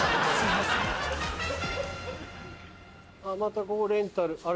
またここレンタルあれ？